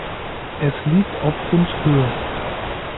Es liegt auf rund Höhe.